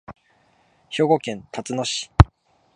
兵庫県たつの市